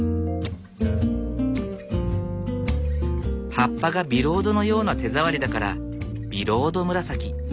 葉っぱがビロードのような手触りだからビロードムラサキ。